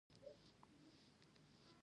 د آس لغته آس زغمي.